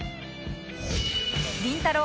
りんたろー。